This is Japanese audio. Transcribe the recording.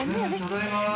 ただいまー！